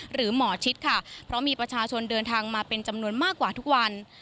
หรือหมอชิดค่ะเพราะมีประชาชนเดินทางมาเป็นจำนวนมากกว่าทุกวัน